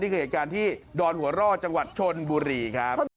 เหตุการณ์ที่ดอนหัวร่อจังหวัดชนบุรีครับ